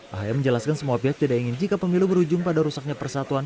ahaya menjelaskan semua pihak tidak ingin jika pemilu berujung pada rusaknya persatuan